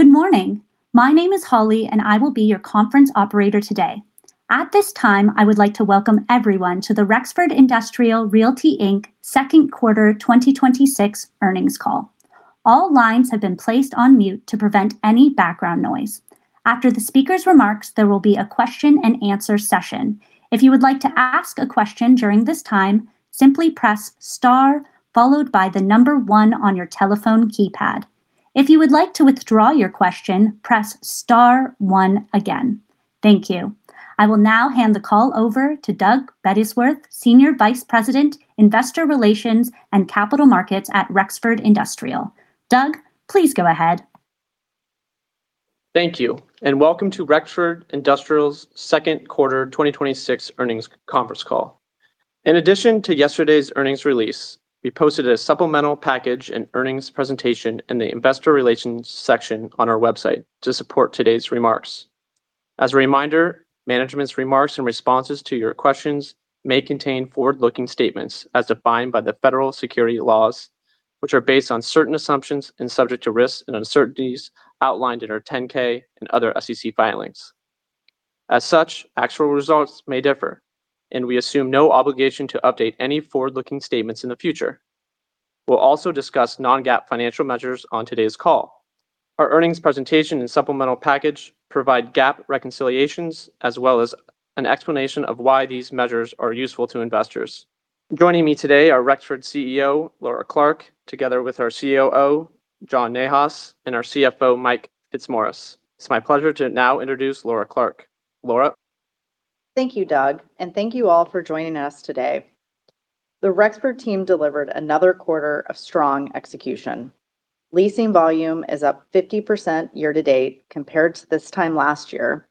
Good morning. My name is Holly, and I will be your conference operator today. At this time, I would like to welcome everyone to the Rexford Industrial Realty Inc. Second Quarter 2026 Earnings Call. All lines have been placed on mute to prevent any background noise. After the speaker's remarks, there will be a question and answer session. If you would like to ask a question during this time, simply press star followed by the number one on your telephone keypad. If you would like to withdraw your question, press star one again. Thank you. I will now hand the call over to Doug Bettisworth, Senior Vice President, Investor Relations and Capital Markets at Rexford Industrial. Doug, please go ahead. Thank you. Welcome to Rexford Industrial's Second Quarter 2026 Earnings Conference Call. In addition to yesterday's earnings release, we posted a supplemental package and earnings presentation in the investor relations section on our website to support today's remarks. As a reminder, management's remarks and responses to your questions may contain forward-looking statements as defined by the federal security laws, which are based on certain assumptions and subject to risks and uncertainties outlined in our 10-K and other SEC filings. As such, actual results may differ. We assume no obligation to update any forward-looking statements in the future. We'll also discuss non-GAAP financial measures on today's call. Our earnings presentation and supplemental package provide GAAP reconciliations as well as an explanation of why these measures are useful to investors. Joining me today are Rexford CEO Laura Clark, together with our COO, John Nahas, and our CFO, Mike Fitzmaurice. It's my pleasure to now introduce Laura Clark. Laura. Thank you, Doug. Thank you all for joining us today. The Rexford team delivered another quarter of strong execution. Leasing volume is up 50% year to date compared to this time last year.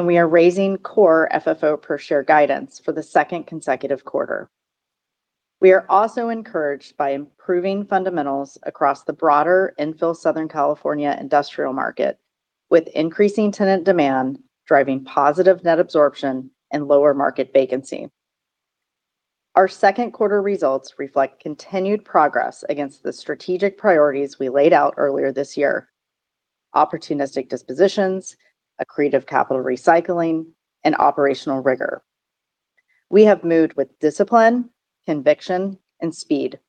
We are raising Core FFO per share guidance for the second consecutive quarter. We are also encouraged by improving fundamentals across the broader infill Southern California industrial market, with increasing tenant demand driving positive net absorption and lower market vacancy. Our second quarter results reflect continued progress against the strategic priorities we laid out earlier this year: opportunistic dispositions, accretive capital recycling, and operational rigor. We have moved with discipline, conviction, and speed,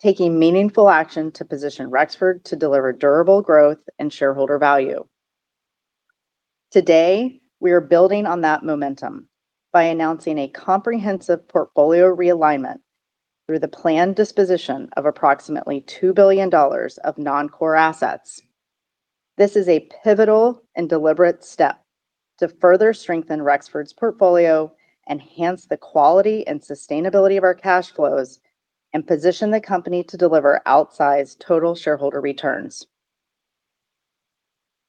taking meaningful action to position Rexford to deliver durable growth and shareholder value. Today, we are building on that momentum by announcing a comprehensive portfolio realignment through the planned disposition of approximately $2 billion of non-core assets. This is a pivotal and deliberate step to further strengthen Rexford's portfolio, enhance the quality and sustainability of our cash flows, and position the company to deliver outsized total shareholder returns.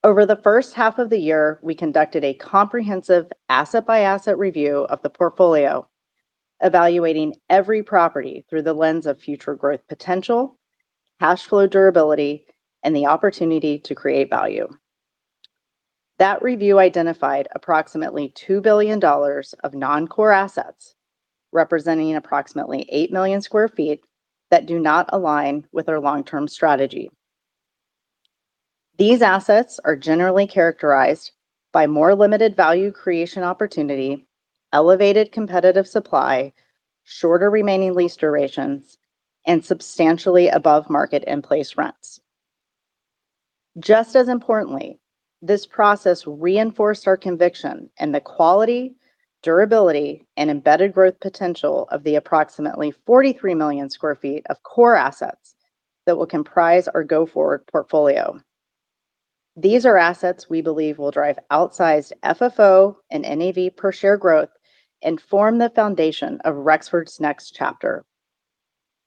Over the first half of the year, we conducted a comprehensive asset by asset review of the portfolio, evaluating every property through the lens of future growth potential, cash flow durability, and the opportunity to create value. That review identified approximately $2 billion of non-core assets, representing approximately 8 million sq ft that do not align with our long-term strategy. These assets are generally characterized by more limited value creation opportunity, elevated competitive supply, shorter remaining lease durations, and substantially above market in-place rents. Just as importantly, this process reinforced our conviction in the quality, durability, and embedded growth potential of the approximately 43 million sq ft of core assets that will comprise our go forward portfolio. These are assets we believe will drive outsized FFO and NAV per share growth and form the foundation of Rexford's next chapter.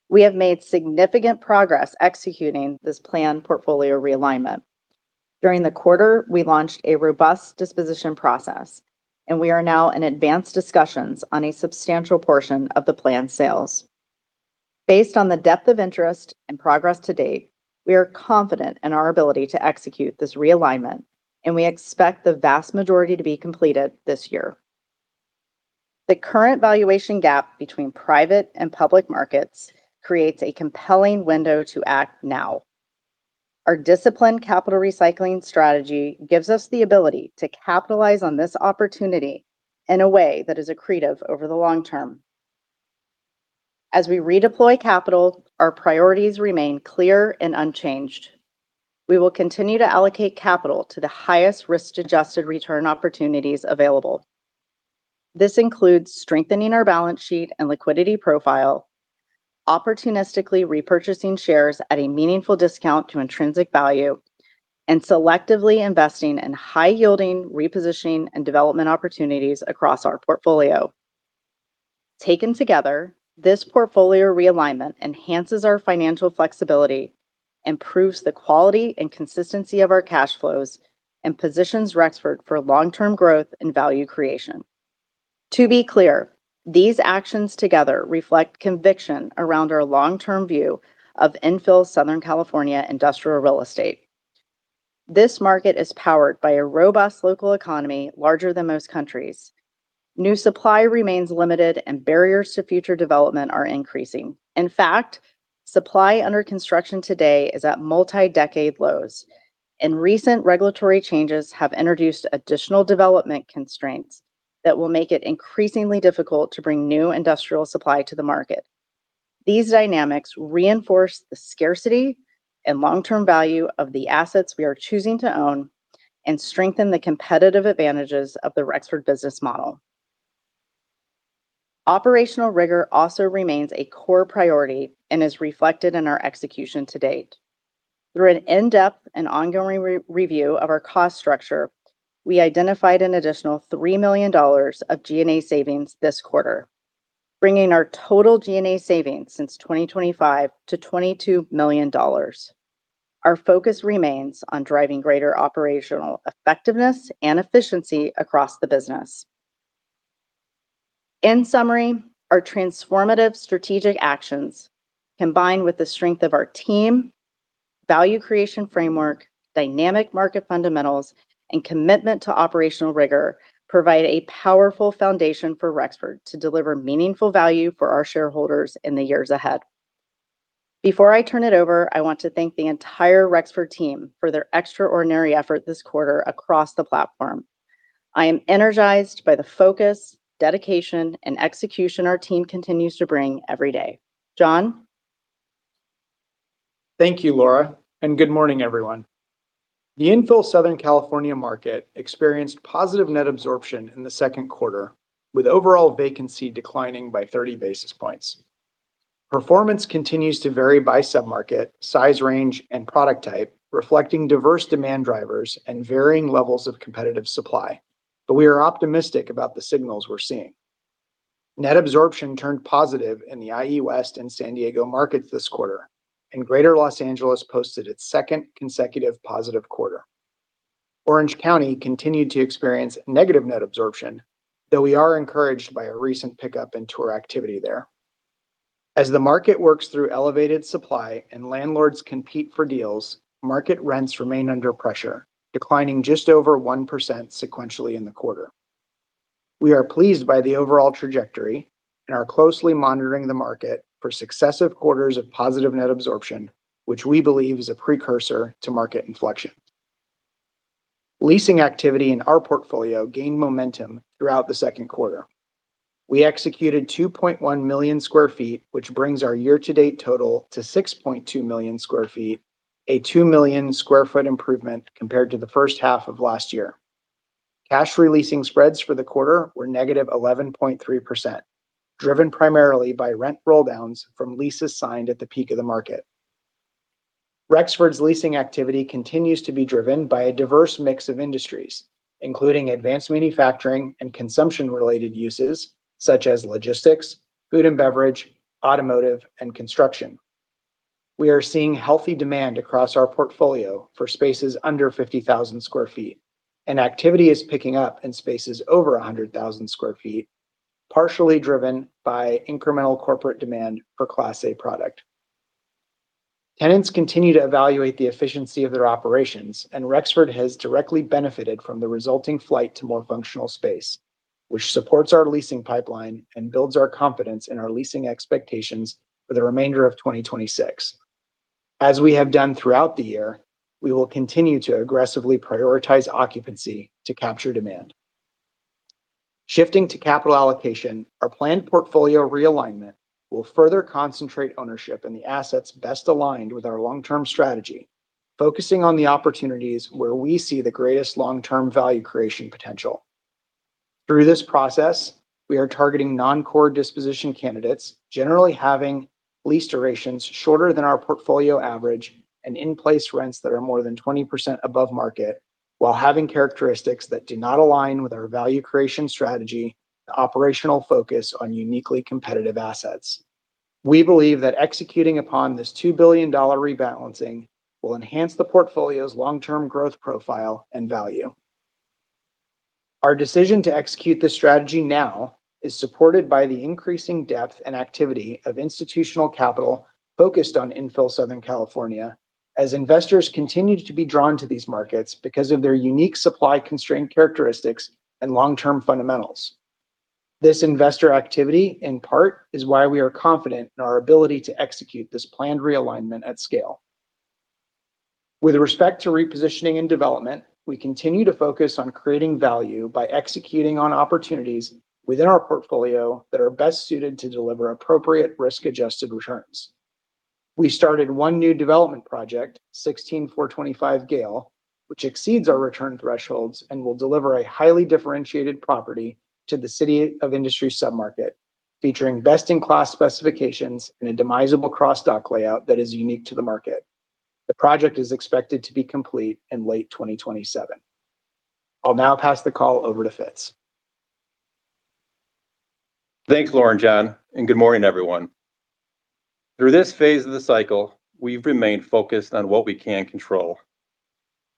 We have made significant progress executing this planned portfolio realignment. During the quarter, we launched a robust disposition process. We are now in advanced discussions on a substantial portion of the planned sales. Based on the depth of interest and progress to date, we are confident in our ability to execute this realignment. We expect the vast majority to be completed this year. The current valuation gap between private and public markets creates a compelling window to act now. Our disciplined capital recycling strategy gives us the ability to capitalize on this opportunity in a way that is accretive over the long term. As we redeploy capital, our priorities remain clear and unchanged. We will continue to allocate capital to the highest risk-adjusted return opportunities available. This includes strengthening our balance sheet and liquidity profile, opportunistically repurchasing shares at a meaningful discount to intrinsic value, and selectively investing in high yielding repositioning and development opportunities across our portfolio. Taken together, this portfolio realignment enhances our financial flexibility, improves the quality and consistency of our cash flows, and positions Rexford for long-term growth and value creation. To be clear, these actions together reflect conviction around our long-term view of infill Southern California industrial real estate. This market is powered by a robust local economy larger than most countries. New supply remains limited. Barriers to future development are increasing. In fact, supply under construction today is at multi-decade lows. Recent regulatory changes have introduced additional development constraints that will make it increasingly difficult to bring new industrial supply to the market. These dynamics reinforce the scarcity and long-term value of the assets we are choosing to own and strengthen the competitive advantages of the Rexford business model. Operational rigor also remains a core priority and is reflected in our execution to date. Through an in-depth and ongoing review of our cost structure, we identified an additional $3 million of G&A savings this quarter, bringing our total G&A savings since 2025 to $22 million. Our focus remains on driving greater operational effectiveness and efficiency across the business. In summary, our transformative strategic actions, combined with the strength of our team, value creation framework, dynamic market fundamentals, and commitment to operational rigor, provide a powerful foundation for Rexford to deliver meaningful value for our shareholders in the years ahead. Before I turn it over, I want to thank the entire Rexford team for their extraordinary effort this quarter across the platform. I am energized by the focus, dedication, and execution our team continues to bring every day. John? Thank you, Laura, and good morning, everyone. The infill Southern California market experienced positive net absorption in the second quarter, with overall vacancy declining by 30 basis points. Performance continues to vary by submarket, size range, and product type, reflecting diverse demand drivers and varying levels of competitive supply. We are optimistic about the signals we're seeing. Net absorption turned positive in the IE West and San Diego markets this quarter, and Greater Los Angeles posted its second consecutive positive quarter. Orange County continued to experience negative net absorption, though we are encouraged by a recent pickup in tour activity there. As the market works through elevated supply and landlords compete for deals, market rents remain under pressure, declining just over 1% sequentially in the quarter. We are pleased by the overall trajectory and are closely monitoring the market for successive quarters of positive net absorption, which we believe is a precursor to market inflection. Leasing activity in our portfolio gained momentum throughout the second quarter. We executed 2.1 million sq ft, which brings our year-to-date total to 6.2 million sq ft, a 2 million sq ft improvement compared to the first half of last year. Cash re-leasing spreads for the quarter were negative 11.3%, driven primarily by rent rolldowns from leases signed at the peak of the market. Rexford's leasing activity continues to be driven by a diverse mix of industries, including advanced manufacturing and consumption-related uses, such as logistics, food and beverage, automotive, and construction. We are seeing healthy demand across our portfolio for spaces under 50,000 sq ft. Activity is picking up in spaces over 100,000 sq ft, partially driven by incremental corporate demand for Class A product. Tenants continue to evaluate the efficiency of their operations, and Rexford has directly benefited from the resulting flight to more functional space, which supports our leasing pipeline and builds our confidence in our leasing expectations for the remainder of 2026. As we have done throughout the year, we will continue to aggressively prioritize occupancy to capture demand. Shifting to capital allocation, our planned portfolio realignment will further concentrate ownership in the assets best aligned with our long-term strategy, focusing on the opportunities where we see the greatest long-term value creation potential. Through this process, we are targeting non-core disposition candidates, generally having lease durations shorter than our portfolio average and in-place rents that are more than 20% above market, while having characteristics that do not align with our value creation strategy, the operational focus on uniquely competitive assets. We believe that executing upon this $2 billion rebalancing will enhance the portfolio's long-term growth profile and value. Our decision to execute this strategy now is supported by the increasing depth and activity of institutional capital focused on infill Southern California, as investors continue to be drawn to these markets because of their unique supply constraint characteristics and long-term fundamentals. This investor activity, in part, is why we are confident in our ability to execute this planned realignment at scale. With respect to repositioning and development, we continue to focus on creating value by executing on opportunities within our portfolio that are best suited to deliver appropriate risk-adjusted returns. We started one new development project, 16425 Gale, which exceeds our return thresholds and will deliver a highly differentiated property to the City of Industry submarket, featuring best-in-class specifications and a demisable cross-dock layout that is unique to the market. The project is expected to be complete in late 2027. I'll now pass the call over to Fitz. Thanks, Laura and John, and good morning, everyone. Through this phase of the cycle, we've remained focused on what we can control.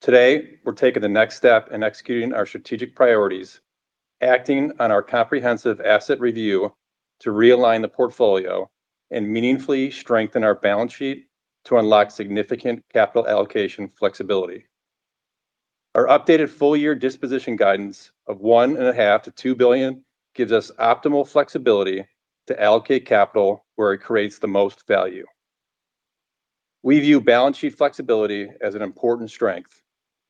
Today, we're taking the next step in executing our strategic priorities, acting on our comprehensive asset review to realign the portfolio and meaningfully strengthen our balance sheet to unlock significant capital allocation flexibility. Our updated full-year disposition guidance of $1.5 billion-$2 billion gives us optimal flexibility to allocate capital where it creates the most value. We view balance sheet flexibility as an important strength,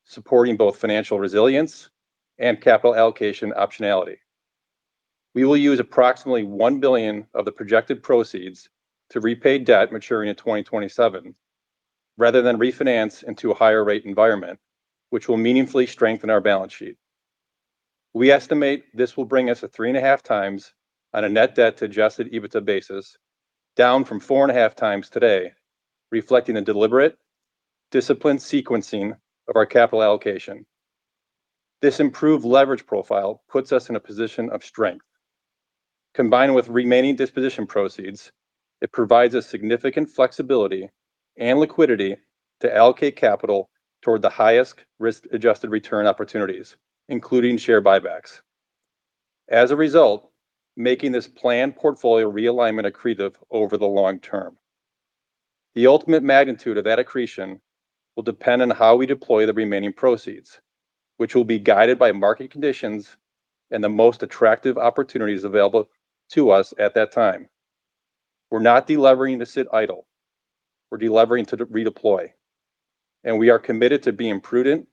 supporting both financial resilience and capital allocation optionality. We will use approximately $1 billion of the projected proceeds to repay debt maturing in 2027, rather than refinance into a higher rate environment, which will meaningfully strengthen our balance sheet. We estimate this will bring us a 3.5 times on a Net Debt to adjusted EBITDA basis, down from 4.5 times today, reflecting a deliberate, disciplined sequencing of our capital allocation. This improved leverage profile puts us in a position of strength. Combined with remaining disposition proceeds, it provides us significant flexibility and liquidity to allocate capital toward the highest risk-adjusted return opportunities, including share buybacks. As a result, making this planned portfolio realignment accretive over the long term. The ultimate magnitude of that accretion will depend on how we deploy the remaining proceeds, which will be guided by market conditions and the most attractive opportunities available to us at that time. We're not de-levering to sit idle. We're de-levering to redeploy, and we are committed to being prudent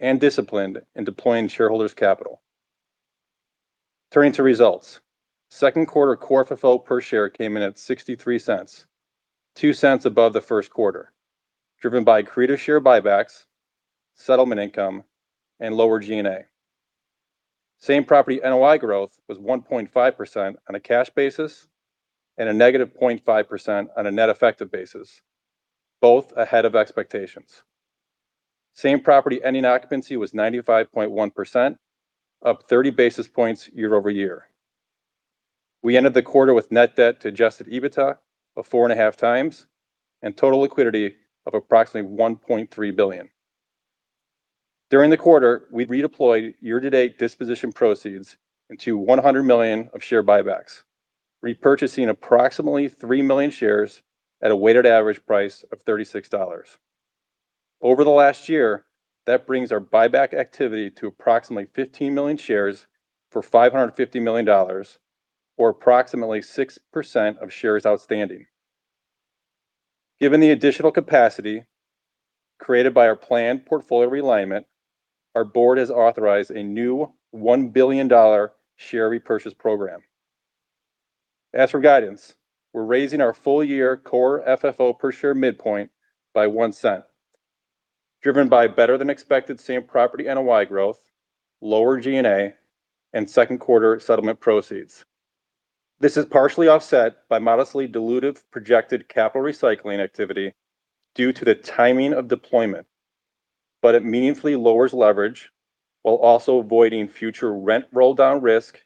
and disciplined in deploying shareholders' capital. Turning to results. Second quarter Core FFO per share came in at $0.63, $0.02 above the first quarter, driven by accretive share buybacks, settlement income, and lower G&A. Same property NOI growth was 1.5% on a cash basis and a -0.5% on a net effective basis, both ahead of expectations. Same property ending occupancy was 95.1%, up 30 basis points year-over-year. We ended the quarter with Net Debt to adjusted EBITDA of 4.5 times and total liquidity of approximately $1.3 billion. During the quarter, we redeployed year-to-date disposition proceeds into $100 million of share buybacks, repurchasing approximately 3 million shares at a weighted average price of $36. Over the last year, that brings our buyback activity to approximately 15 million shares for $550 million, or approximately 6% of shares outstanding. Given the additional capacity created by our planned portfolio realignment, our board has authorized a new $1 billion share repurchase program. As for guidance, we're raising our full-year Core FFO per share midpoint by $0.01, driven by better than expected same property NOI growth, lower G&A, and second quarter settlement proceeds. It is partially offset by modestly dilutive projected capital recycling activity due to the timing of deployment. It meaningfully lowers leverage while also avoiding future rent roll-down risk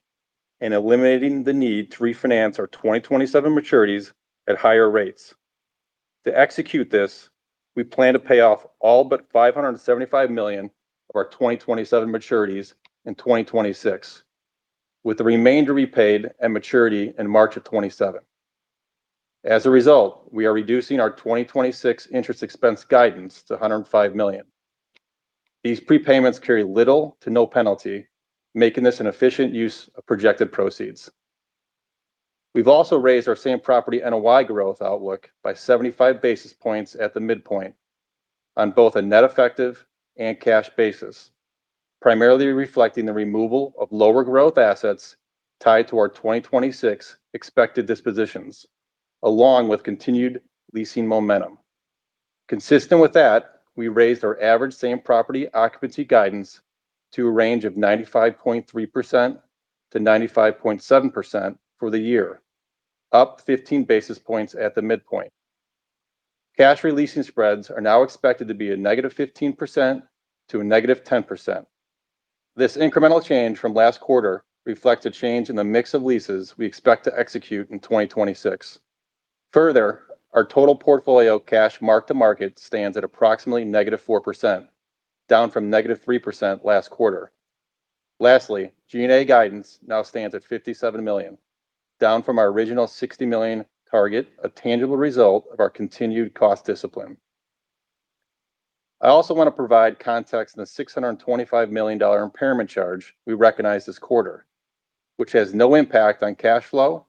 and eliminating the need to refinance our 2027 maturities at higher rates. To execute this, we plan to pay off all but $575 million of our 2027 maturities in 2026, with the remainder repaid at maturity in March of 2027. As a result, we are reducing our 2026 interest expense guidance to $105 million. These prepayments carry little to no penalty, making this an efficient use of projected proceeds. We've also raised our same property NOI growth outlook by 75 basis points at the midpoint on both a net effective and cash basis, primarily reflecting the removal of lower growth assets tied to our 2026 expected dispositions, along with continued leasing momentum. Consistent with that, we raised our average same property occupancy guidance to a range of 95.3%-95.7% for the year, up 15 basis points at the midpoint. Cash re-leasing spreads are now expected to be a -15% to -10%. This incremental change from last quarter reflects a change in the mix of leases we expect to execute in 2026. Further, our total portfolio cash mark-to-market stands at approximately -4%, down from -3% last quarter. Lastly, G&A guidance now stands at $57 million, down from our original $60 million target, a tangible result of our continued cost discipline. I also want to provide context on the $625 million impairment charge we recognized this quarter, which has no impact on cash flow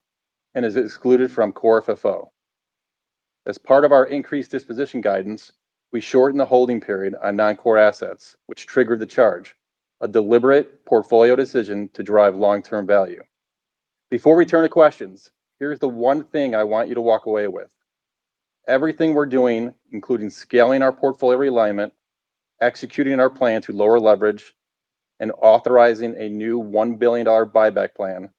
and is excluded from Core FFO. As part of our increased disposition guidance, we shortened the holding period on non-core assets, which triggered the charge, a deliberate portfolio decision to drive long-term value. Before we turn to questions, here's the one thing I want you to walk away with. Everything we're doing, including scaling our portfolio realignment, executing our plan to lower leverage, and authorizing a new $1 billion buyback plan,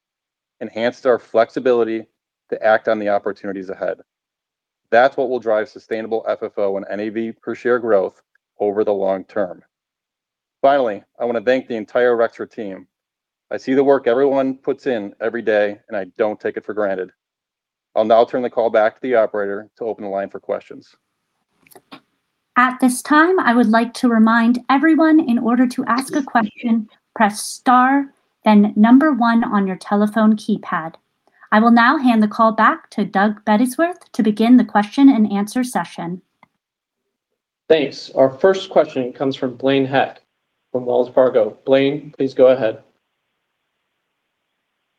enhanced our flexibility to act on the opportunities ahead. That's what will drive sustainable FFO and NAV per share growth over the long term. Finally, I want to thank the entire Rexford team. I see the work everyone puts in every day, and I don't take it for granted. I'll now turn the call back to the operator to open the line for questions. At this time, I would like to remind everyone, in order to ask a question, press star, then number one on your telephone keypad. I will now hand the call back to Doug Bettisworth to begin the question and answer session. Thanks. Our first question comes from Blaine Heck from Wells Fargo. Blaine, please go ahead.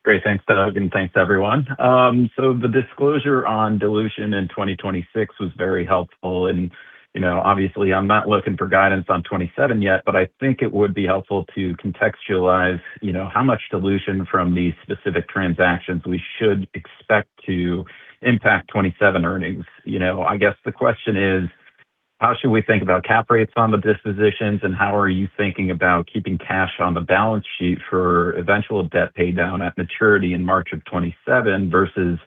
Great. Thanks, Doug, and thanks, everyone. The disclosure on dilution in 2026 was very helpful. Obviously, I'm not looking for guidance on 2027 yet, but I think it would be helpful to contextualize how much dilution from these specific transactions we should expect to impact 2027 earnings. I guess the question is, how should we think about cap rates on the dispositions, and how are you thinking about keeping cash on the balance sheet for eventual debt paydown at maturity in March of 2027 versus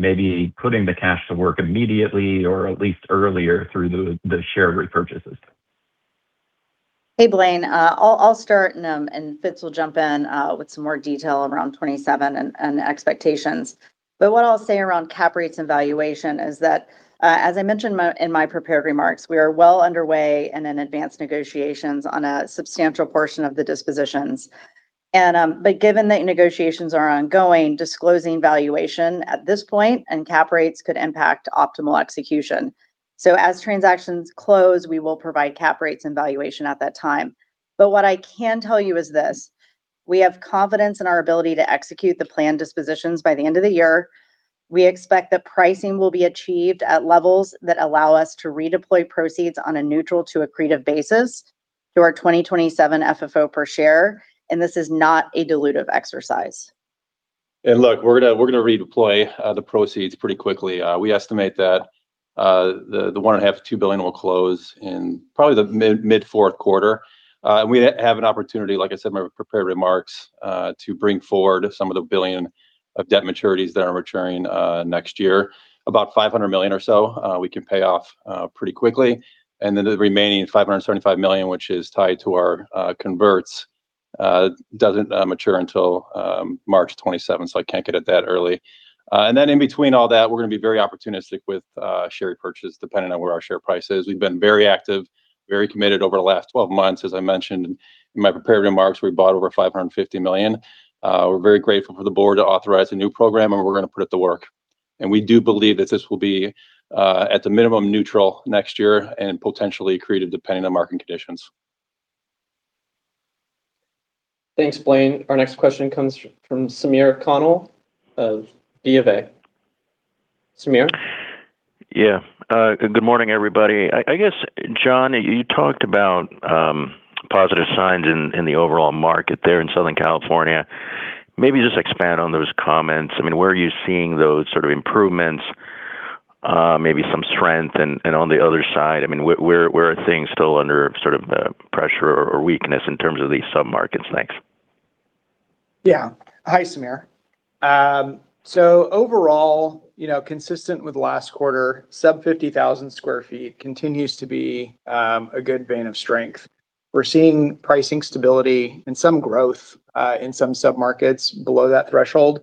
maybe putting the cash to work immediately or at least earlier through the share repurchases? Hey, Blaine. I'll start, Fitz will jump in with some more detail around 2027 and expectations. What I'll say around cap rates and valuation is that, as I mentioned in my prepared remarks, we are well underway and in advanced negotiations on a substantial portion of the dispositions. Given that negotiations are ongoing, disclosing valuation at this point and cap rates could impact optimal execution. As transactions close, we will provide cap rates and valuation at that time. What I can tell you is this: we have confidence in our ability to execute the planned dispositions by the end of the year. We expect that pricing will be achieved at levels that allow us to redeploy proceeds on a neutral to accretive basis to our 2027 FFO per share. This is not a dilutive exercise. Look, we're going to redeploy the proceeds pretty quickly. We estimate that the $1.5 billion-$2 billion will close in probably the mid-fourth quarter. We have an opportunity, like I said in my prepared remarks, to bring forward some of the $1 billion of debt maturities that are maturing next year. About $500 million or so we can pay off pretty quickly. The remaining $575 million, which is tied to our converts, doesn't mature until March 2027, so I can't get at that early. In between all that, we're going to be very opportunistic with share repurchases, depending on where our share price is. We've been very active, very committed over the last 12 months. As I mentioned in my prepared remarks, we bought over $550 million. We're very grateful for the board to authorize a new program. We're going to put it to work. We do believe that this will be at the minimum neutral next year and potentially accretive, depending on market conditions. Thanks, Blaine. Our next question comes from Samir Khanal of BofA. Samir? Yeah. Good morning, everybody. I guess, John, you talked about positive signs in the overall market there in Southern California. Maybe just expand on those comments. Where are you seeing those sort of improvements, maybe some strength? On the other side, where are things still under sort of pressure or weakness in terms of these sub-markets? Thanks. Yeah. Hi, Samir. Overall, consistent with last quarter, sub 50,000 sq ft continues to be a good vein of strength. We're seeing pricing stability and some growth in some sub-markets below that threshold,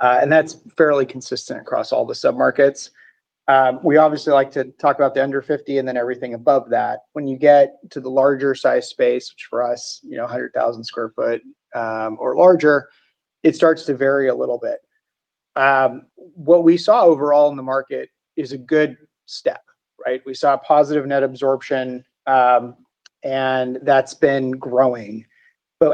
and that's fairly consistent across all the sub-markets. We obviously like to talk about the under 50 and then everything above that. When you get to the larger size space, which for us, 100,000 sq ft or larger, it starts to vary a little bit. What we saw overall in the market is a good step. We saw a positive net absorption, and that's been growing.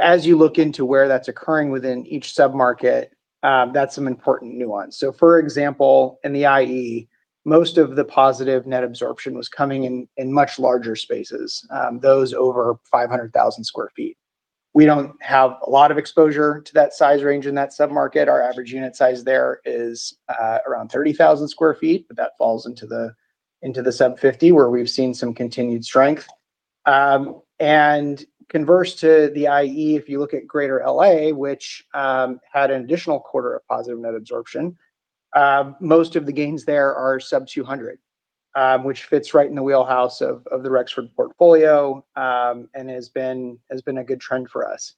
As you look into where that's occurring within each sub-market, that's some important nuance. For example, in the IE, most of the positive net absorption was coming in much larger spaces, those over 500,000 sq ft. We don't have a lot of exposure to that size range in that sub-market. Our average unit size there is around 30,000 sq ft, but that falls into the sub 50, where we've seen some continued strength. Converse to the IE, if you look at Greater L.A., which had an additional quarter of positive net absorption, most of the gains there are sub 200, which fits right in the wheelhouse of the Rexford portfolio and has been a good trend for us.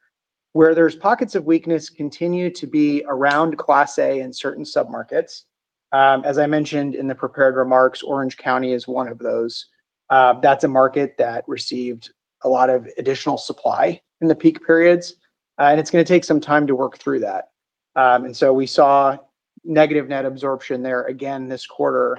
Where there's pockets of weakness continue to be around Class A in certain sub-markets. As I mentioned in the prepared remarks, Orange County is one of those. That's a market that received a lot of additional supply in the peak periods. It's going to take some time to work through that. We saw negative net absorption there again this quarter.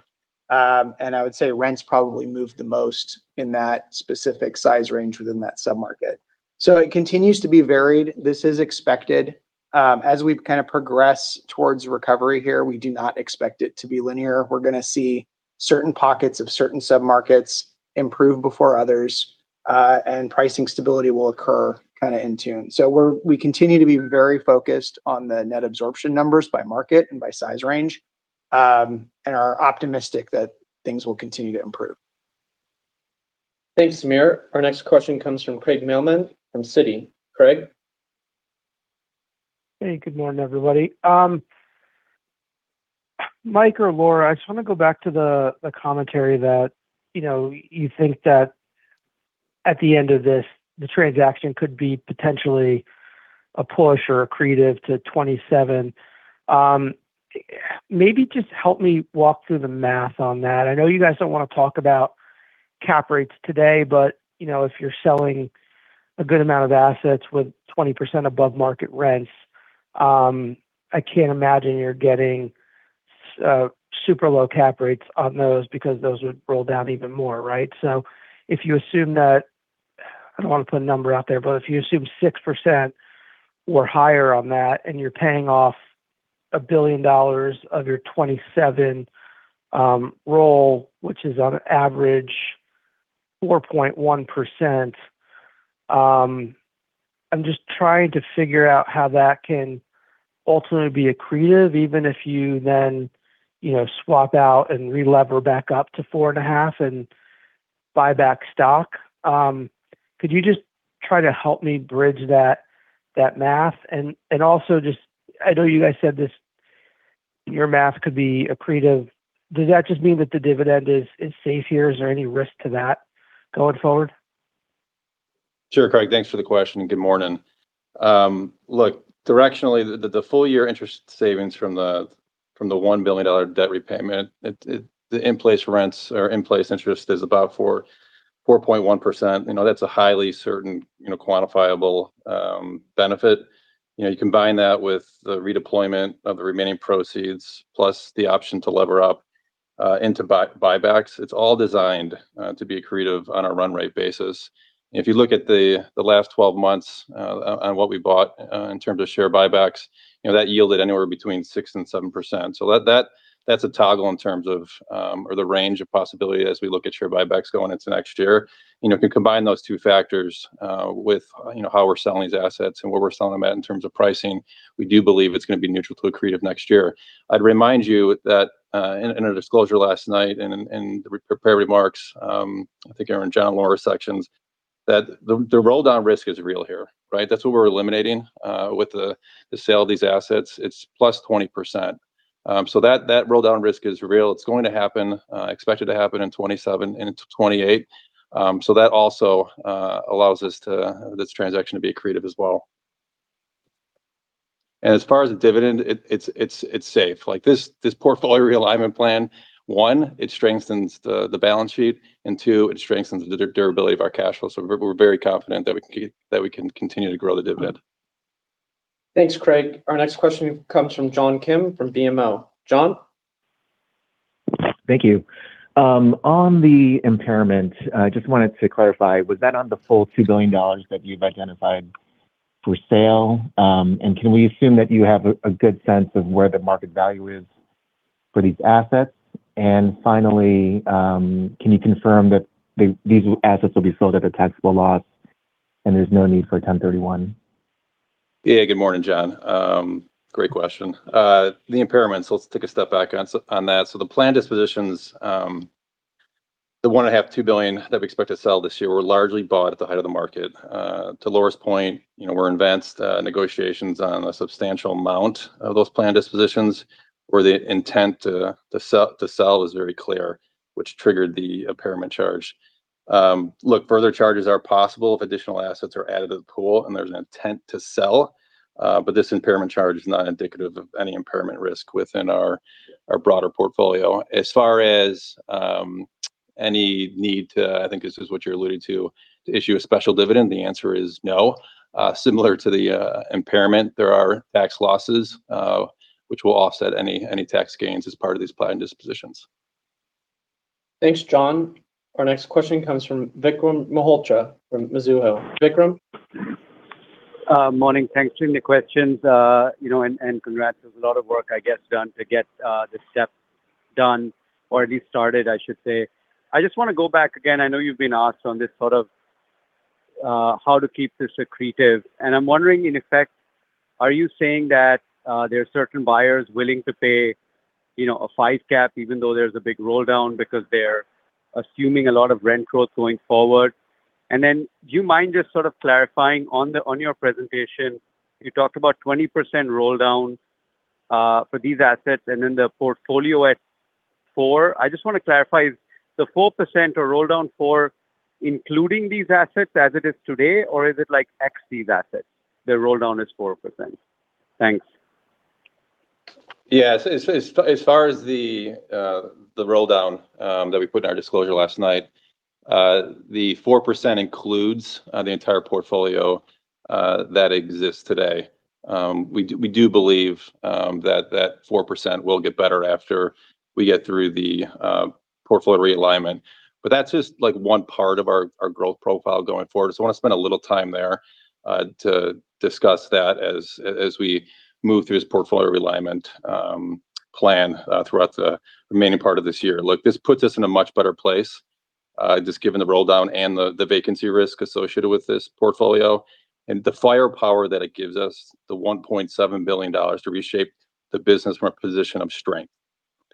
I would say rents probably moved the most in that specific size range within that sub-market. It continues to be varied. This is expected. As we kind of progress towards recovery here, we do not expect it to be linear. We're going to see certain pockets of certain sub-markets improve before others, pricing stability will occur kind of in tune. We continue to be very focused on the net absorption numbers by market and by size range and are optimistic that things will continue to improve. Thanks, Samir. Our next question comes from Craig Mailman from Citi. Craig? Hey, good morning, everybody. Mike or Laura, I just want to go back to the commentary that you think that at the end of this, the transaction could be potentially a push or accretive to 2027. Maybe just help me walk through the math on that. I know you guys don't want to talk about cap rates today, but if you're selling a good amount of assets with 20% above market rents. I can't imagine you're getting super low cap rates on those because those would roll down even more, right? If you assume that, I don't want to put a number out there, but if you assume 6% or higher on that and you're paying off $1 billion of your 2027 roll, which is on average 4.1%. I'm just trying to figure out how that can ultimately be accretive, even if you then swap out and relever back up to 4.5 buy back stock. Could you just try to help me bridge that math? I know you guys said this, your math could be accretive. Does that just mean that the dividend is safe here? Is there any risk to that going forward? Sure, Craig. Thanks for the question and good morning. Look, directionally, the full-year interest savings from the $1 billion debt repayment, the in-place rents or in-place interest is about 4.1%. That's a highly certain quantifiable benefit. You combine that with the redeployment of the remaining proceeds, plus the option to lever up into buybacks. It's all designed to be accretive on a run rate basis. If you look at the last 12 months on what we bought in terms of share buybacks, that yielded anywhere between 6%-7%. That's a toggle in terms of, or the range of possibility as we look at share buybacks going into next year. If you combine those two factors with how we're selling these assets and where we're selling them at in terms of pricing, we do believe it's going to be neutral to accretive next year. I'd remind you that in a disclosure last night and the prepared remarks, I think they were in John Laura sections, that the roll down risk is real here, right? That's what we're eliminating with the sale of these assets. It's +20%. That roll down risk is real. It's going to happen, expected to happen in 2027 and into 2028. That also allows this transaction to be accretive as well. As far as the dividend, it's safe. Like this portfolio realignment plan, one, it strengthens the balance sheet, and two, it strengthens the durability of our cash flow. We're very confident that we can continue to grow the dividend. Thanks, Craig. Our next question comes from John Kim from BMO. John? Thank you. On the impairment, I just wanted to clarify, was that on the full $2 billion that you've identified for sale? Can we assume that you have a good sense of where the market value is for these assets? Finally, can you confirm that these assets will be sold at a taxable loss and there's no need for a 1031? Yeah. Good morning, John. Great question. The impairment, let's take a step back on that. The planned dispositions, the $1.5 billion-$2 billion that we expect to sell this year were largely bought at the height of the market. To Laura's point, we're advanced negotiations on a substantial amount of those planned dispositions where the intent to sell is very clear, which triggered the impairment charge. Look, further charges are possible if additional assets are added to the pool and there's an intent to sell. This impairment charge is not indicative of any impairment risk within our broader portfolio. As far as any need to, I think this is what you're alluding to issue a special dividend, the answer is no. Similar to the impairment, there are tax losses, which will offset any tax gains as part of these planned dispositions. Thanks, John. Our next question comes from Vikram Malhotra from Mizuho. Vikram? Morning. Thanks for taking the questions. Congrats. There's a lot of work, I guess, done to get this step done or at least started, I should say. I just want to go back again. I know you've been asked on this sort of how to keep this accretive, and I'm wondering, in effect, are you saying that there are certain buyers willing to pay a five cap, even though there's a big roll down because they're assuming a lot of rent growth going forward? Do you mind just sort of clarifying on your presentation, you talked about 20% roll down for these assets and then the portfolio at four. I just want to clarify, is the 4% or roll down for including these assets as it is today, or is it like ex these assets, the roll down is 4%? Thanks. Yeah. As far as the roll down that we put in our disclosure last night, the 4% includes the entire portfolio that exists today. We do believe that 4% will get better after we get through the portfolio realignment. That's just one part of our growth profile going forward. I want to spend a little time there to discuss that as we move through this portfolio realignment plan throughout the remaining part of this year. Look, this puts us in a much better place, just given the roll down and the vacancy risk associated with this portfolio, and the firepower that it gives us, the $1.7 billion, to reshape the business from a position of strength.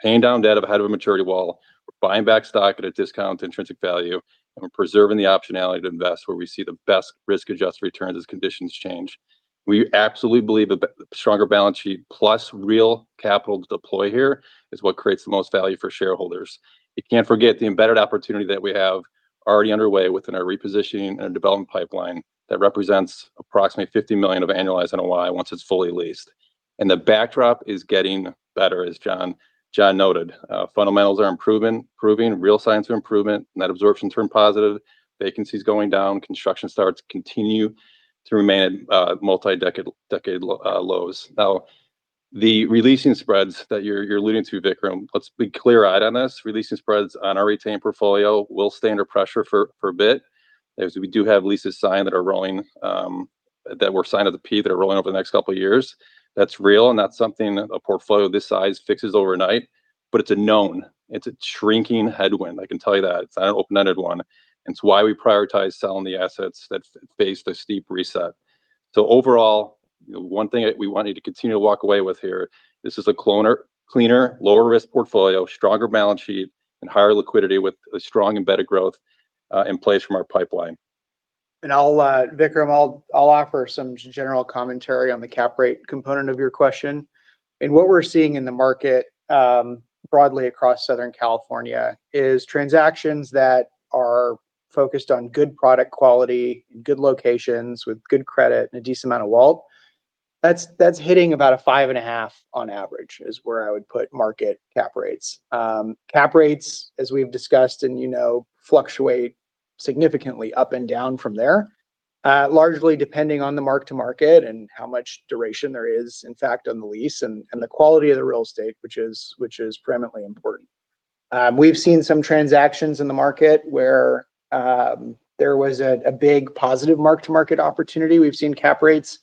Paying down debt ahead of a maturity wall. We're buying back stock at a discount to intrinsic value, and we're preserving the optionality to invest where we see the best risk-adjusted returns as conditions change. We absolutely believe a stronger balance sheet plus real capital to deploy here is what creates the most value for shareholders. You can't forget the embedded opportunity that we have already underway within our repositioning and development pipeline that represents approximately $50 million of annualized NOI once it's fully leased. The backdrop is getting better, as John noted. Fundamentals are improving, real signs of improvement, net absorption turn positive, vacancies going down, construction starts continue through multi-decade lows. Now The releasing spreads that you're alluding to, Vikram. Let's be clear-eyed on this. Releasing spreads on our retained portfolio will stay under pressure for a bit. We do have leases signed that were signed at the P that are rolling over the next couple of years. That's real, and that's something that a portfolio this size fixes overnight, but it's a known. It's a shrinking headwind, I can tell you that. It's not an open-ended one. It's why we prioritize selling the assets that face the steep reset. Overall, one thing that we want you to continue to walk away with here. This is a cleaner, lower risk portfolio, stronger balance sheet, and higher liquidity with a strong embedded growth in place from our pipeline. Vikram, I'll offer some general commentary on the cap rate component of your question. What we're seeing in the market, broadly across Southern California, is transactions that are focused on good product quality, good locations with good credit, and a decent amount of wall. That's hitting about a 5.5 on average, is where I would put market cap rates. Cap rates, as we've discussed and you know, fluctuate significantly up and down from there. Largely depending on the mark-to-market and how much duration there is, in fact, on the lease and the quality of the real estate, which is preeminently important. We've seen some transactions in the market where there was a big positive mark-to-market opportunity. We've seen cap rates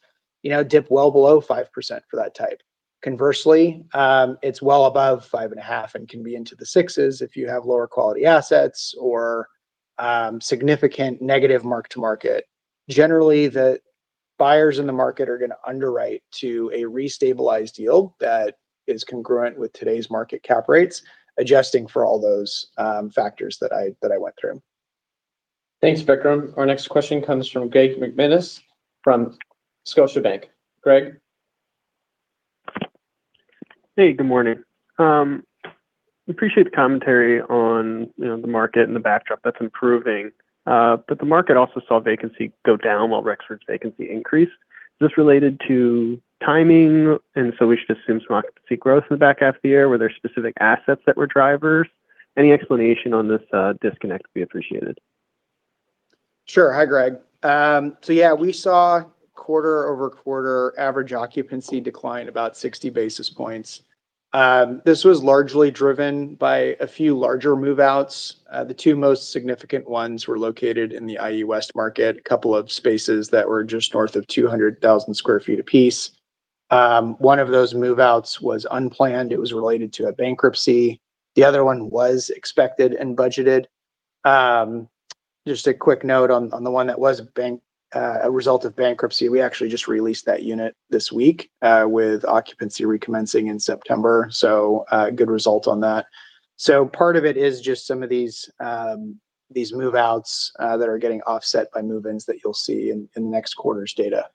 dip well below 5% for that type. Conversely, it's well above 5.5 and can be into the sixes if you have lower quality assets or significant negative mark-to-market. Generally, the buyers in the market are going to underwrite to a restabilized yield that is congruent with today's market cap rates, adjusting for all those factors that I went through. Thanks, Vikram. Our next question comes from Greg McGinniss from Scotiabank. Greg. Hey, good morning. Appreciate the commentary on the market and the backdrop that's improving. The market also saw vacancy go down while Rexford's vacancy increased. Is this related to timing, we should assume some occupancy growth in the back half of the year? Were there specific assets that were drivers? Any explanation on this disconnect would be appreciated. Sure. Hi Greg. Yeah, we saw quarter-over-quarter average occupancy decline about 60 basis points. This was largely driven by a few larger move-outs. The two most significant ones were located in the IE West market, a couple of spaces that were just north of 200,000 sq ft a piece. One of those move-outs was unplanned. It was related to a bankruptcy. The other one was expected and budgeted. Just a quick note on the one that was a result of bankruptcy, we actually just released that unit this week, with occupancy recommencing in September. Good result on that. Part of it is just some of these move-outs that are getting offset by move-ins that you'll see in the next quarter's data.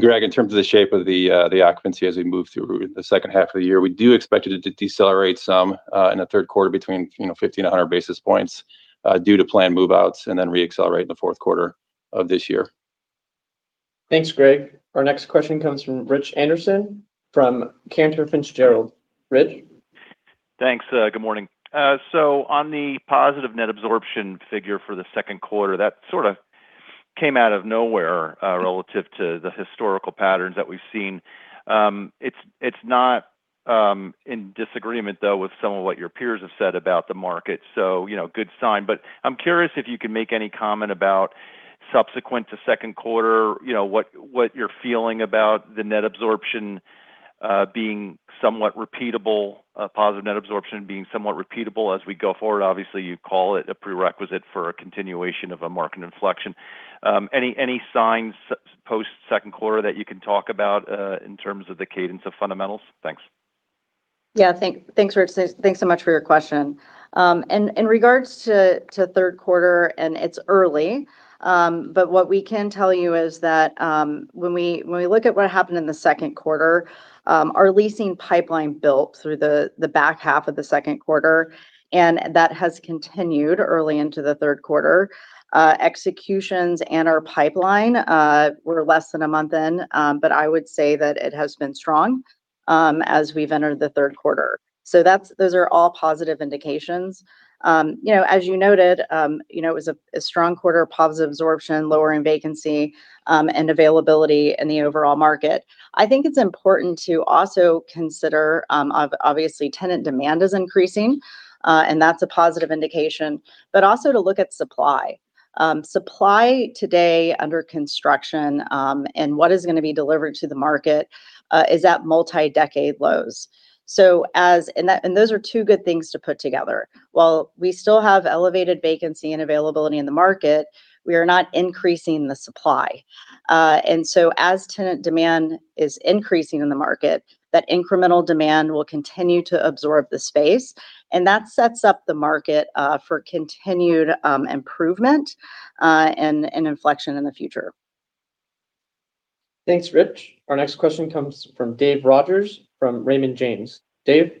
Greg, in terms of the shape of the occupancy as we move through the second half of the year, we do expect it to decelerate some in the third quarter between 15 and 100 basis points due to planned move-outs, re-accelerate in the fourth quarter of this year. Thanks, Greg. Our next question comes from Rich Anderson from Cantor Fitzgerald. Rich. Thanks. Good morning. On the positive net absorption figure for the second quarter, that sort of came out of nowhere relative to the historical patterns that we've seen. It's not in disagreement, though, with some of what your peers have said about the market. Good sign. I'm curious if you can make any comment about subsequent to second quarter, what you're feeling about the net absorption being somewhat repeatable, positive net absorption being somewhat repeatable as we go forward. Obviously, you call it a prerequisite for a continuation of a market inflection. Any signs post second quarter that you can talk about, in terms of the cadence of fundamentals? Thanks. Thanks, Rich. Thanks so much for your question. In regards to third quarter, it's early, what we can tell you is that when we look at what happened in the second quarter, our leasing pipeline built through the back half of the second quarter, that has continued early into the third quarter. Executions and our pipeline, we're less than a month in, I would say that it has been strong as we've entered the third quarter. Those are all positive indications. As you noted, it was a strong quarter. Positive absorption, lowering vacancy, and availability in the overall market. I think it's important to also consider, obviously, tenant demand is increasing, that's a positive indication. Also to look at supply. Supply today under construction, and what is going to be delivered to the market, is at multi-decade lows. Those are two good things to put together. While we still have elevated vacancy and availability in the market, we are not increasing the supply. As tenant demand is increasing in the market, that incremental demand will continue to absorb the space, that sets up the market for continued improvement, and inflection in the future. Thanks, Rich. Our next question comes from Dave Rodgers from Raymond James. Dave.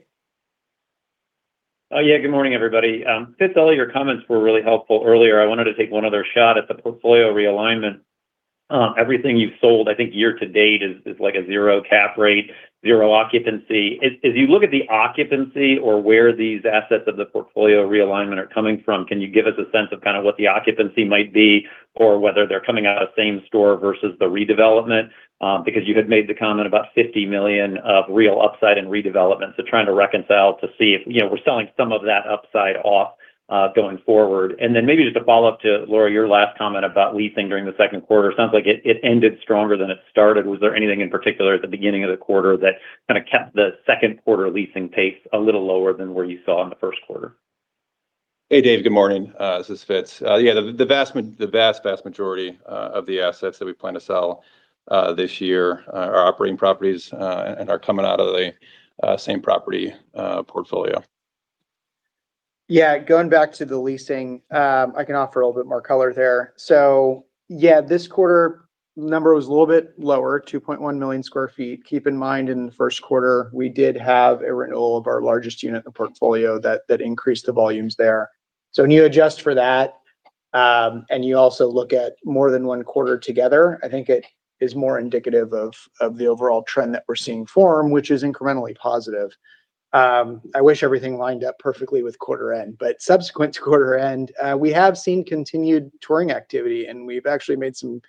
Oh, yeah. Good morning, everybody. Fitz, all your comments were really helpful earlier. I wanted to take one other shot at the portfolio realignment. Everything you've sold, I think year-to-date is like a zero cap rate, zero occupancy. As you look at the occupancy or where these assets of the portfolio realignment are coming from, can you give us a sense of kind of what the occupancy might be or whether they're coming out of same store versus the redevelopment? Because you had made the comment about $50 million of real upside in redevelopment. Trying to reconcile to see if we're selling some of that upside off going forward. Then maybe just a follow-up to, Laura, your last comment about leasing during the second quarter. Sounds like it ended stronger than it started. Was there anything in particular at the beginning of the quarter that kind of kept the second quarter leasing pace a little lower than where you saw in the first quarter? Hey, Dave. Good morning. This is Fitz. Yeah, the vast majority of the assets that we plan to sell this year are operating properties, and are coming out of the same property portfolio. Yeah. Going back to the leasing, I can offer a little bit more color there. Yeah, this quarter number was a little bit lower, 2.1 million sq ft. Keep in mind, in the first quarter, we did have a renewal of our largest unit in the portfolio that increased the volumes there. When you adjust for that, and you also look at more than one quarter together, I think it is more indicative of the overall trend that we're seeing form, which is incrementally positive. I wish everything lined up perfectly with quarter end. Subsequent to quarter end, we have seen continued touring activity, and we've actually made some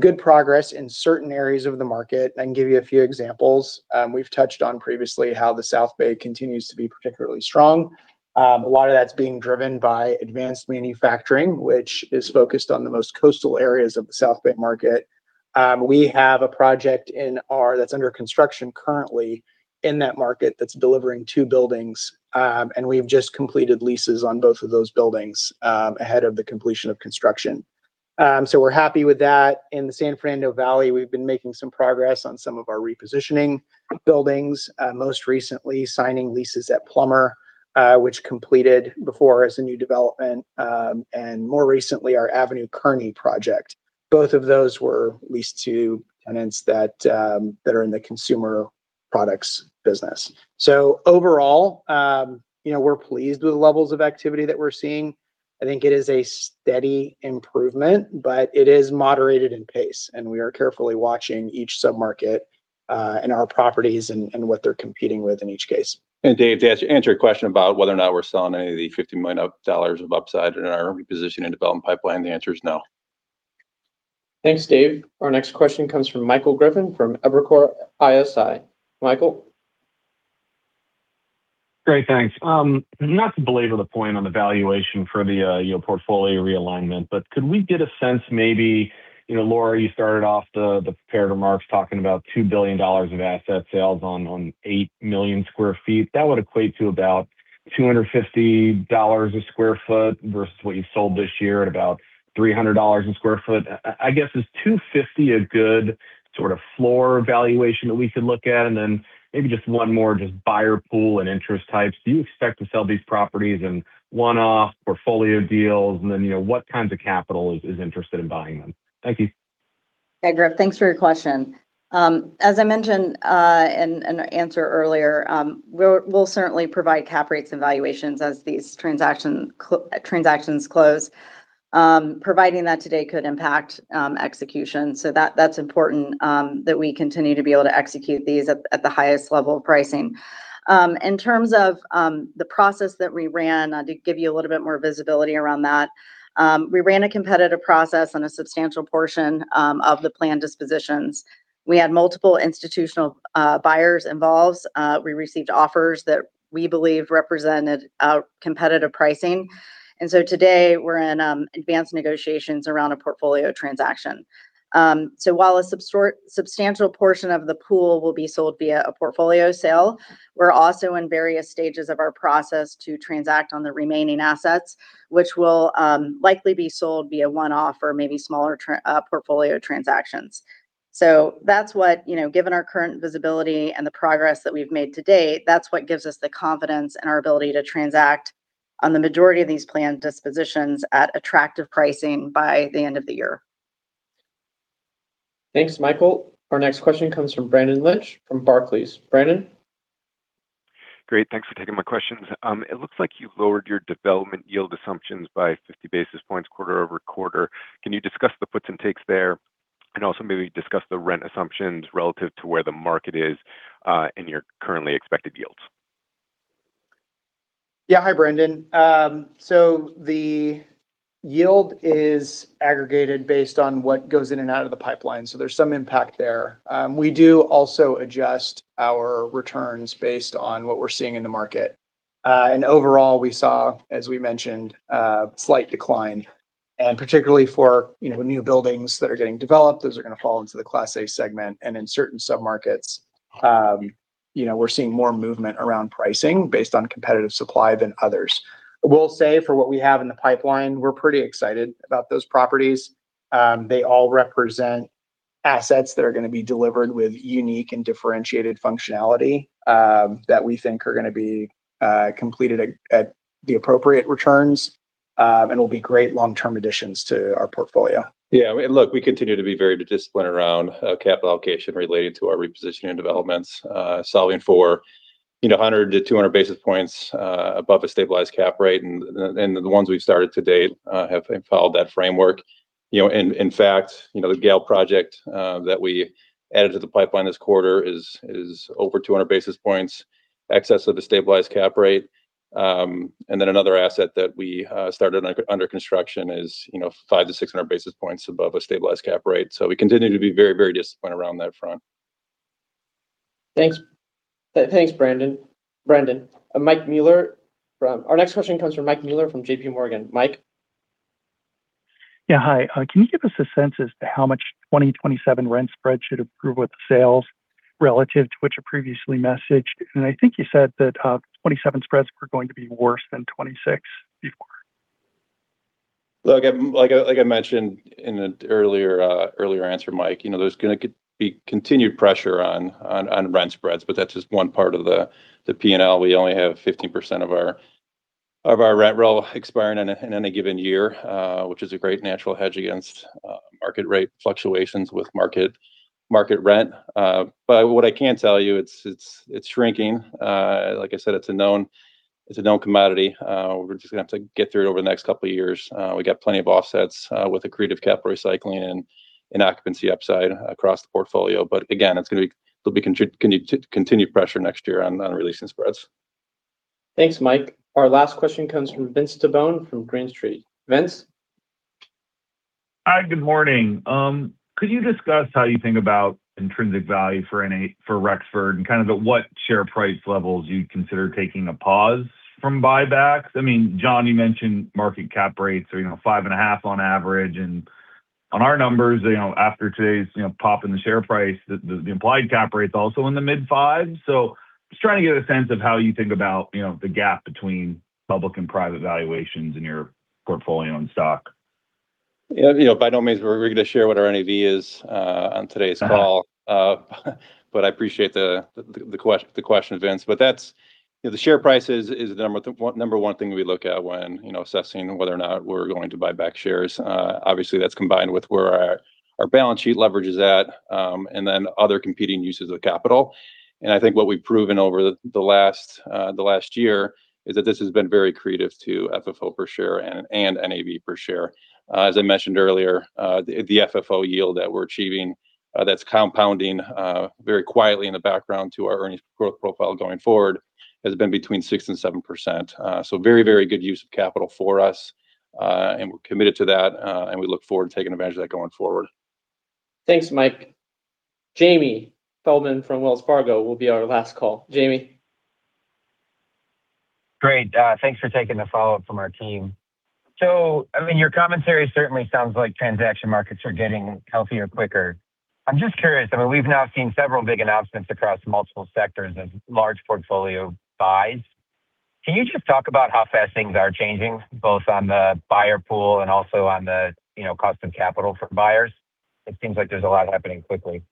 good progress in certain areas of the market. I can give you a few examples. We've touched on previously how the South Bay continues to be particularly strong. A lot of that's being driven by advanced manufacturing, which is focused on the most coastal areas of the South Bay market. We have a project that's under construction currently in that market that's delivering two buildings, and we've just completed leases on both of those buildings ahead of the completion of construction. We're happy with that. In the San Fernando Valley, we've been making some progress on some of our repositioning buildings. Most recently signing leases at Plummer, which completed before as a new development. More recently, our Avenue Kearny project. Both of those were leased to tenants that are in the consumer products business. Overall, we're pleased with the levels of activity that we're seeing. I think it is a steady improvement, but it is moderated in pace, and we are carefully watching each submarket, and our properties and what they're competing with in each case. Dave, to answer your question about whether or not we're selling any of the $50 million of upside in our reposition and development pipeline, the answer is no. Thanks, Dave. Our next question comes from Michael Griffin from Evercore ISI. Michael? Great. Thanks. Not to belabor the point on the valuation for the portfolio realignment, but could we get a sense maybe, Laura, you started off the prepared remarks talking about $2 billion of asset sales on 8 million sq ft. That would equate to about $250 a square foot versus what you sold this year at about $300 a square foot. I guess, is $250 a good sort of floor valuation that we should look at? Then maybe just one more, just buyer pool and interest types. Do you expect to sell these properties in one-off portfolio deals? Then, what kinds of capital is interested in buying them? Thank you. Hey, Griff. Thanks for your question. As I mentioned in an answer earlier, we'll certainly provide cap rates and valuations as these transactions close. Providing that today could impact execution. That's important that we continue to be able to execute these at the highest level of pricing. In terms of the process that we ran, to give you a little bit more visibility around that. We ran a competitive process on a substantial portion of the planned dispositions. We had multiple institutional buyers involved. We received offers that we believe represented competitive pricing. Today, we're in advanced negotiations around a portfolio transaction. While a substantial portion of the pool will be sold via a portfolio sale, we're also in various stages of our process to transact on the remaining assets, which will likely be sold via one-off or maybe smaller portfolio transactions. That's what, given our current visibility and the progress that we've made to date, that's what gives us the confidence in our ability to transact on the majority of these planned dispositions at attractive pricing by the end of the year. Thanks, Michael. Our next question comes from Brendan Lynch from Barclays. Brendan? Great. Thanks for taking my questions. It looks like you've lowered your development yield assumptions by 50 basis points quarter-over-quarter. Can you discuss the puts and takes there? Also maybe discuss the rent assumptions relative to where the market is in your currently expected yields. Yeah. Hi, Brendan. The yield is aggregated based on what goes in and out of the pipeline. There's some impact there. We do also adjust our returns based on what we're seeing in the market. Overall, we saw, as we mentioned, a slight decline. Particularly for new buildings that are getting developed, those are going to fall into the Class A segment. In certain submarkets, we're seeing more movement around pricing based on competitive supply than others. We'll say for what we have in the pipeline, we're pretty excited about those properties. They all represent assets that are going to be delivered with unique and differentiated functionality, that we think are going to be completed at the appropriate returns, and will be great long-term additions to our portfolio. Yeah. Look, we continue to be very disciplined around capital allocation related to our repositioning developments. Solving for 100 basis points-200 basis points above a stabilized cap rate. The ones we've started to date have followed that framework. In fact, the Gale project that we added to the pipeline this quarter is over 200 basis points excess of the stabilized cap rate. Then another asset that we started under construction is 500 basis points-600 basis points above a stabilized cap rate. We continue to be very disciplined around that front. Thanks, Brendan. Mike Mueller. Our next question comes from Mike Mueller from JPMorgan. Mike? Yeah. Hi. Can you give us a sense as to how much 2027 rent spread should improve with the sales relative to what you previously messaged? I think you said that 2027 spreads were going to be worse than 2026 before. Look, like I mentioned in an earlier answer, Mike, there's going to be continued pressure on rent spreads, but that's just one part of the P&L. We only have 15% of our rent roll expiring in any given year, which is a great natural hedge against market rate fluctuations with market rent. What I can tell you, it's shrinking. Like I said, it's a known commodity. We're just going to have to get through it over the next couple of years. We got plenty of offsets with accretive cap recycling and occupancy upside across the portfolio. Again, it's going to be continued pressure next year on releasing spreads. Thanks, Mike. Our last question comes from Vince Tibone from Green Street. Vince? Hi. Good morning. Could you discuss how you think about intrinsic value for Rexford and kind of at what share price levels you'd consider taking a pause from buybacks? John, you mentioned market cap rates are five and a half on average. On our numbers, after today's pop in the share price, the implied cap rate's also in the mid fives. Just trying to get a sense of how you think about the gap between public and private valuations in your portfolio and stock. By no means are we going to share what our NAV is on today's call. I appreciate the question, Vince. The share price is the number one thing we look at when assessing whether or not we're going to buy back shares. Obviously, that's combined with where our balance sheet leverage is at, and then other competing uses of capital. I think what we've proven over the last year is that this has been very accretive to FFO per share and NAV per share. As I mentioned earlier, the FFO yield that we're achieving that's compounding very quietly in the background to our earnings growth profile going forward has been between 6%-7%. Very good use of capital for us. We're committed to that, and we look forward to taking advantage of that going forward. Thanks, Mike. Jamie Feldman from Wells Fargo will be our last call. Jamie? Great. Thanks for taking the follow-up from our team. Your commentary certainly sounds like transaction markets are getting healthier quicker. I'm just curious, we've now seen several big announcements across multiple sectors of large portfolio buys. Can you just talk about how fast things are changing, both on the buyer pool and also on the cost of capital for buyers? It seems like there's a lot happening quickly.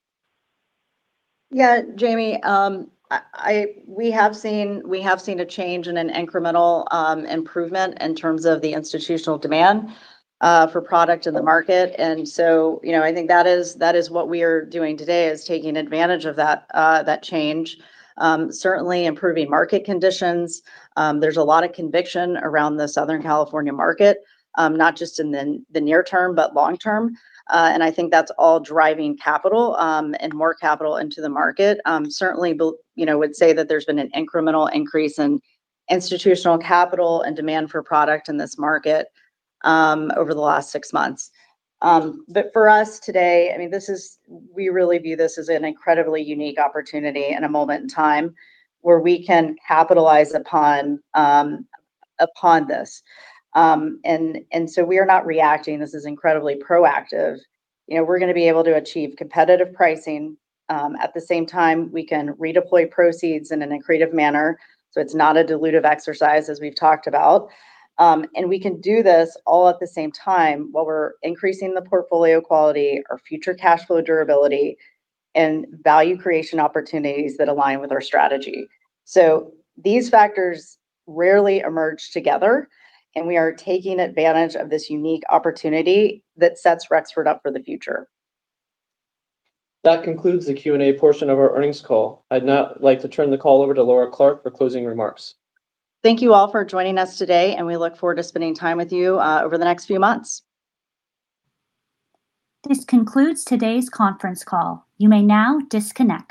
Jamie. We have seen a change and an incremental improvement in terms of the institutional demand for product in the market. I think that is what we are doing today, is taking advantage of that change. Certainly, improving market conditions. There's a lot of conviction around the Southern California market. Not just in the near term, but long term. I think that's all driving capital, and more capital into the market. Certainly would say that there's been an incremental increase in institutional capital and demand for product in this market over the last 6 months. For us today, we really view this as an incredibly unique opportunity and a moment in time where we can capitalize upon this. We are not reacting. This is incredibly proactive. We're going to be able to achieve competitive pricing. At the same time, we can redeploy proceeds in an accretive manner, so it's not a dilutive exercise, as we've talked about. We can do this all at the same time while we're increasing the portfolio quality, our future cash flow durability, and value creation opportunities that align with our strategy. These factors rarely emerge together, and we are taking advantage of this unique opportunity that sets Rexford up for the future. That concludes the Q&A portion of our earnings call. I'd now like to turn the call over to Laura Clark for closing remarks. Thank you all for joining us today, and we look forward to spending time with you over the next few months. This concludes today's conference call. You may now disconnect.